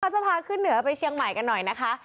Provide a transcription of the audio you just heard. จะพาขึ้นเหนือไปเชียงใหม่กันหน่อยนะคะ